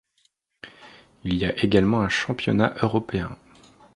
Il y a également un championnat européen.